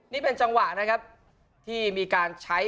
นี่เป็นจังหวะนะครับที่มีการใช้